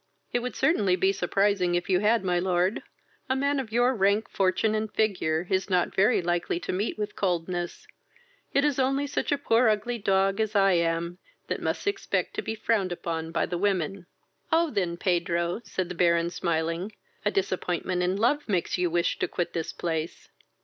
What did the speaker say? "It would certainly be surprising if you had, my lord. A man of your rank, fortune, and figure, is not very likely to meet with coldness; it is only such a poor ugly dog as I am that must expect to be frowned upon by the women." "Oh! then, Pedro, (said the Baron smiling,) a disappointment in love makes you wish to quit this place."